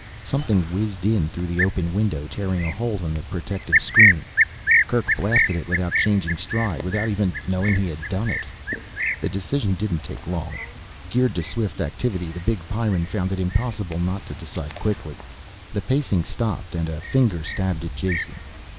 Something whizzed in through the open window, tearing a hole in the protective screen. Kerk blasted it without changing stride, without even knowing he had done it. The decision didn't take long. Geared to swift activity, the big Pyrran found it impossible not to decide quickly. The pacing stopped and a finger stabbed at Jason.